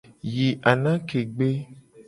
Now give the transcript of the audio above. Yi anake gbe.